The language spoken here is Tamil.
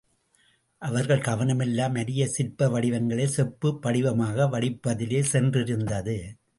அவர்கள் கவனம் எல்லாம் அரிய சிற்ப வடிவங்களை செப்புப் படிவமாக வடிப்பதிலே சென்றிருந்தது.